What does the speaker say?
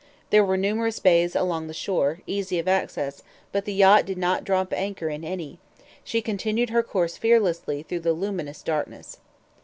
There were numerous bays along the shore, easy of access, but the yacht did not drop anchor in any; she continued her course fearlessly through the luminous darkness.